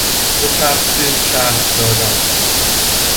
به تفصیل شرح دادن